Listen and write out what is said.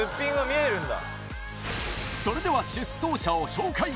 それでは出走者を紹介